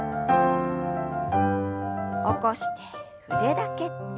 起こして腕だけ。